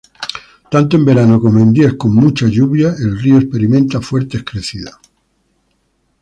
Tanto en verano, como en días con muchas lluvias, el río experimenta fuertes crecidas.